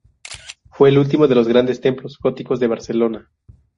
Fue el último de los grandes templos góticos de Barcelona.